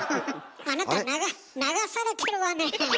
あなた流されてるわね。